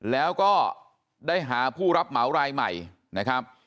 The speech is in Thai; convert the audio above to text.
แล้วก็ได้หาผู้รับเหมารายใหม่นะครับ